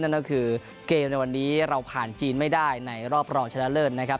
นั่นก็คือเกมในวันนี้เราผ่านจีนไม่ได้ในรอบรองชนะเลิศนะครับ